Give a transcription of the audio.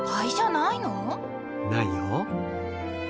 ないよー。